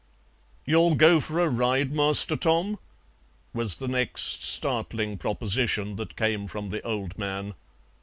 "You'll go for a ride, Master Tom?" was the next startling proposition that came from the old man.